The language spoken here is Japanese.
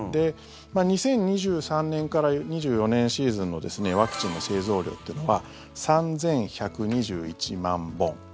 ２０２３年から２４年シーズンのワクチンの製造量っていうのは３１２１万本。